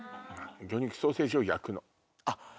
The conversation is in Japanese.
魚肉ソーセージを焼くの。